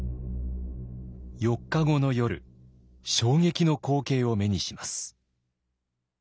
４日後の夜衝撃の光景を目にします。